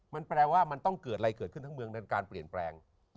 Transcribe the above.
มันแปลว่ามันต้องเกิดอะไรเกิดขึ้นทั้งเมืองในการเปลี่ยนแปลง